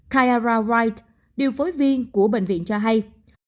kyra wright điều phối viên của bệnh viện cho hay